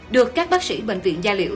được các bác sĩ bệnh viện gia liễu